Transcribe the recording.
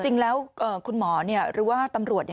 จริงแล้วคุณหมอหรือว่าตำรวจ